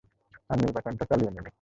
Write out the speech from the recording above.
আর নির্বাচনটা চালিয়ে নেবে।